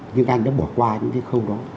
nhưng anh đã bỏ qua những cái khâu đó